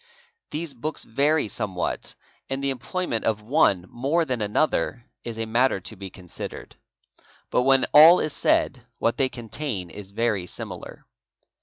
These joks vary somewhat and the employment of one more than another is a OM a: as ¢= 08 404 s SUPERSTITION matter to be considered. But when all is said what they contain is very similar.